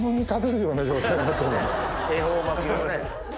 恵方巻きのね。